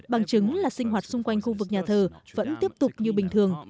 bằng chứng là sinh hoạt xung quanh khu vực nhà thờ vẫn tiếp tục như bình thường